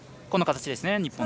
この形ですね。